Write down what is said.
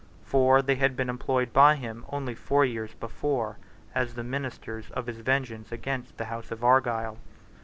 For they had been employed by him, only four years before, as the ministers of his vengeance against the House of Argyle.